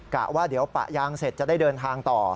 กะว่าเดี๋ยวปะยางเสร็จจะได้เดินทางต่อ